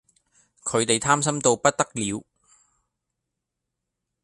佢地貪心到不得了